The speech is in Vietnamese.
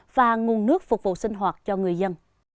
và nguồn nước phục vụ sinh hoạt cho người dân